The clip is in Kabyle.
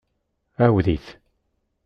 Ɛawed-it.